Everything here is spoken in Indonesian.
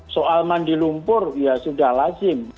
soal mandi lumpur ya sudah lazim